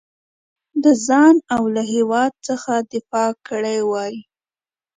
د ځان او له هیواد څخه دفاع کړې وای.